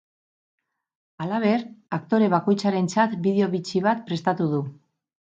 Halaber, aktore bakoitzarentzat bideo bitxi bat prestatu du.